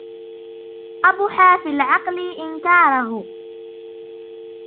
قَبُحَ فِي الْعَقْلِ إنْكَارُهُ